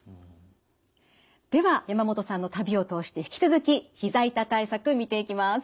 では山本さんの旅を通して引き続きひざ痛対策見ていきます。